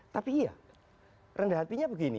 tapi iya rendah hatinya begini